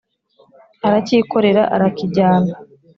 aracyikorera, arakijyana.